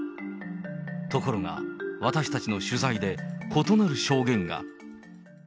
ところが、私たちの取材で異なる証言が。